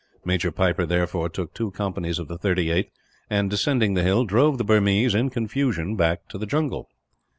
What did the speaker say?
Major Piper therefore took two companies of the 38th and, descending the hill, drove the Burmese, in confusion, back to the jungle.